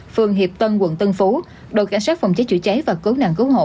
phường hiệp tân quận tân phú đội cảnh sát phòng cháy chữa cháy và cứu nạn cứu hộ